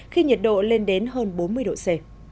khi nhiệt độ lên đến hơn bốn mươi độ c